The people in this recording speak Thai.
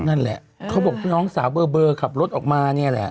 นั่นแหละเขาบอกน้องสาวเบอร์ขับรถออกมาเนี่ยแหละ